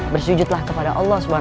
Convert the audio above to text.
bersujudlah kepada allah swt